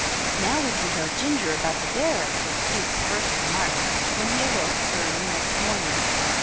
"Now we can tell Ginger about the bear," was Keith's first remark, when he awoke early next morning.